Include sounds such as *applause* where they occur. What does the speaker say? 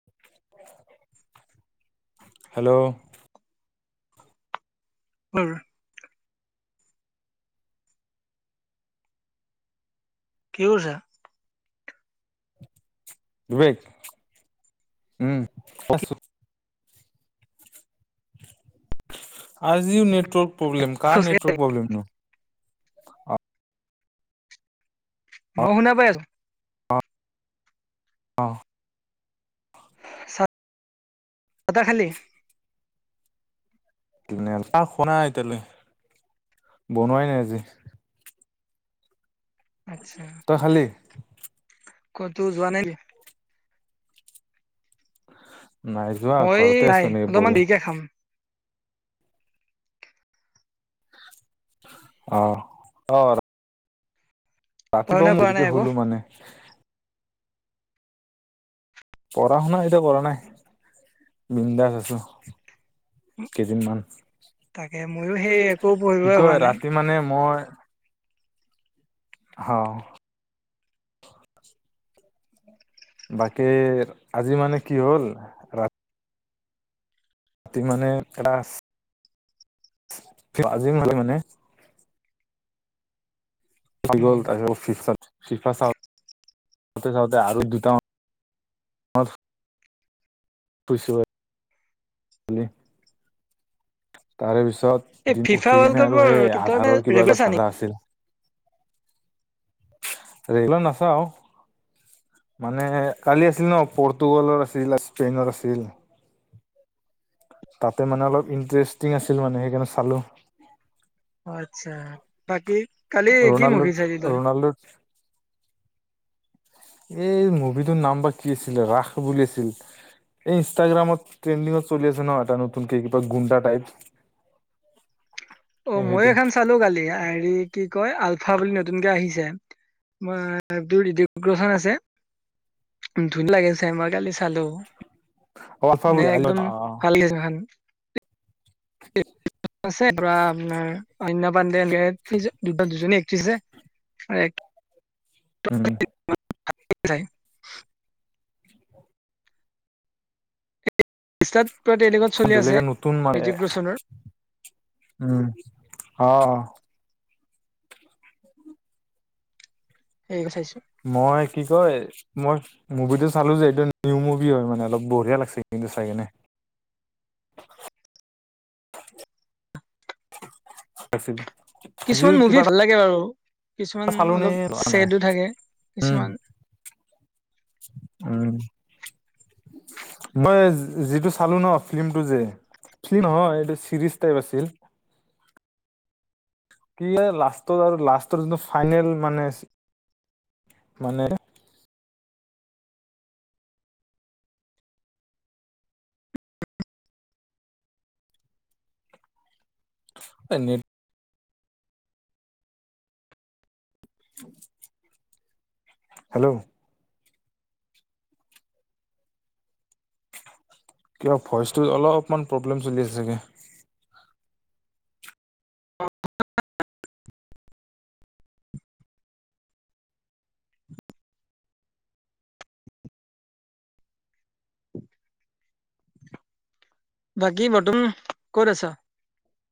*inaudible* Hello? *unintelligible* কি কৰিছা? বিবেক, উম আছো। আজি নেটৰ্ক প্ৰব্লেম, কাৰ নেটৱৰ্ক প্ৰব্লেম নো, মই শুনা পাই আছো। অঁ চাহ তাহ খালি? না শুনা এতিয়ালৈ, বনোৱাই নাই আজি। আচ্ছা, তই খালি ক'তো যোৱা নে নাই যোৱা, মই ঘৰতে নাই আছো এনেই অলপমান পৰি। দেৰিকে খাম। অ' পঢ়া শুনা ৰাতিপুৱাও কৰা নাই দেৰিকে আকৌ শুলো মানে পঢ়া শুনা এতিয়া কৰা নাই, বিন্দাস আছো। কেইদিনমান, তাকে ময়ো সেই একো কি পঢ়িবই হোৱা কয় নাই। ৰাতি মানে মই হয় বাকী, আজি মানে কি হ'ল ৰাতি মানে এটা আজি মানে হৈ গ'ল, উম, তাৰ পিছত চাওঁতে চাওঁতে আৰু দুটা পুছ তাৰে এই পিছত ফিফা উঠি ৱৰ্ল্ড কিনে আৰু কাপৰ সেই তই মানে আধাৰৰ কিবা ৰেগুলাৰ এটা চা নেকি? জাগৰা আছিল। ৰেলত নাচাও মানে কালি আছিল ন, পৰ্তুগালৰ আছিল, স্পেইনৰ আছিল, তাতে মানে অলপ ইণ্টাৰেষ্টিং আছিল মানে সেইকাৰণে চালো। আচ্ছা, বাকী কালি কি মুভি চালি তই? তালত এই মুভিটোৰ নাম বা কি আছিলে, ৰাস বুলি আছিল। এই ইনষ্টাগ্ৰামত ট্ৰেণ্ডিংত চলি আছে ন এটা নতুনক কিবা গুণ্ডা টাইপ। অ' মই সেইটো এখান চালো কালি, হেৰি কি কয় আলফা বুলি নতুনকে আহিছে। মই ঋতিক ৰৌচন আছে, ধুন লাগিল চাই মই কালি চালো, মানে একদম অ ভাল লাগিল চাই। অনন্যা পাণ্ডে দুজনী একট্ৰেছ আছে। উম *unintelligible* ইনষ্টাত পুৰা ট্ৰেডিংট চলি বেলেগে আছে, নতুন মানে ঋতিক ৰৌচনৰ উম অ' সেৰি ক চাইছোঁ, মই কি কয় মই মুভিটো চালো যে এইটো নিউ মুভি হয়, মানে অলপ বঢ়িয়া লাগিছে কিন্তু চাই কিনে। *inaudible* কিছুমান মুভি কিবা ভাল লাগে বাৰু। এটা কিছুমান চালো নে অলপ নাই চছেডো থাকে। উম কিছুমান উম', মই যিটো চালো ন ফিল্মটো যে, নহয় এইটো চিৰিজ টাইপ আছিল। কি লাষ্টত আৰু লাষ্টৰ যিটো ফাইনেল মানে মানে *unintelligible* হেল্ল', কিয় ভইচটোত অলপমান প্ৰব্লেম চলি আছে গে বাকী বৰ্তমান ক'ত আছ?